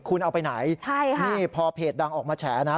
คุณเอาไปไหนใช่ค่ะนี่พอเพจดังออกมาแฉนะ